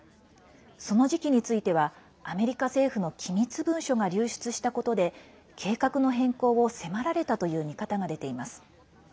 この時期についてはアメリカ政府の機密文書が流出したことで計画の変更を迫られたという見方が出ています。